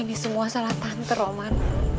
di semua salah tante roman